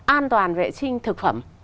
an toàn vệ sinh thực phẩm